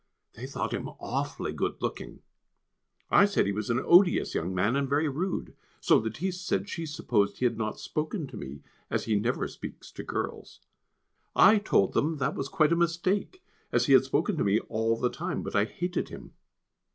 They thought him awfully good looking. I said he was an odious young man and very rude. So Lettice said she supposed he had not spoken to me, as he never speaks to girls. I told them that was quite a mistake as he had spoken to me all the time, but I hated him.